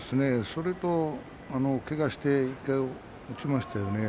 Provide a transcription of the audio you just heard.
それと、けがして１回落ちましたよね。